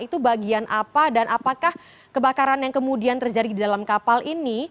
itu bagian apa dan apakah kebakaran yang kemudian terjadi di dalam kapal ini